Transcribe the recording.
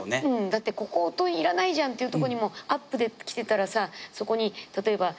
だってここ音いらないじゃんっていうところにもアップできてたらさそこに例えばおえつ。